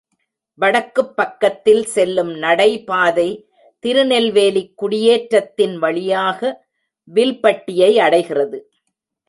வடக்குப் பக்கத்தில் செல்லும் நடைபாதை திருநெல்வேலிக் குடியேற்ற த்தின் வழியாக வில்பட்டியை அடைகிறது.